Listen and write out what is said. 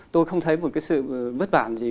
tôi không thấy một cái sự bất bản gì